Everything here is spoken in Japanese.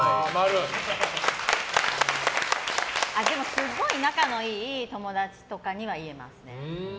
すごい仲のいい友達とかには言えますね。